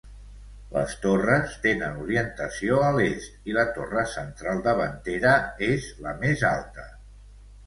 Les torres tenen orientació a l'est i la torre central davantera és la més alta.